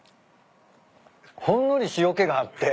ほんのり塩気があって。